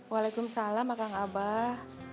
waalaikumsalam akang abah